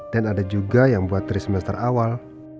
dan ada juga yang buat trimester awal